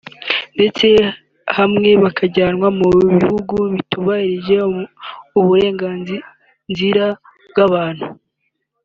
ndetse hamwe bikajyanwa mu bihugu bitubahiriza uburenganzira bwa muntu